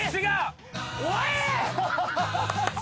おい！